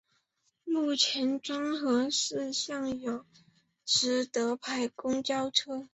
目前庄河市尚有实德牌公交车。